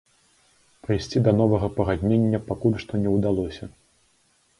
Прыйсці да новага пагаднення пакуль што не ўдалося.